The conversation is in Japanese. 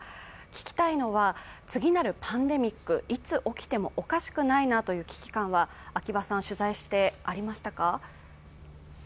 聞きたいのは次なるパンデミック、いつ起きてもおかしくないなというのはありましたか？